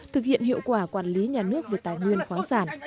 thực hiện hiệu quả quản lý nhà nước về tài nguyên khoáng sản